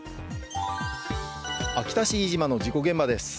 秋田市飯島の事故現場です。